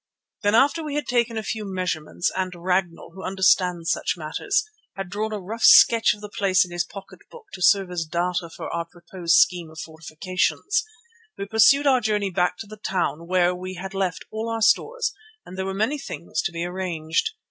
Then after we had taken a few measurements and Ragnall, who understands such matters, had drawn a rough sketch of the place in his pocket book to serve as data for our proposed scheme of fortifications, we pursued our journey back to the town, where we had left all our stores and there were many things to be arranged.